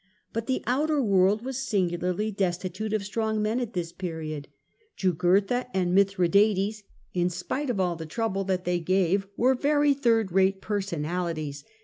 But the outer world was singularly destitute of strong men at this period. Jngurtha and Mithradates, in spite of all the trouble that they gave, were very third rate personalities.